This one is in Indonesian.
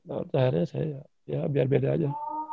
waktu akhirnya saya ya biar beda aja